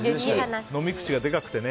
飲み口がでかくてね。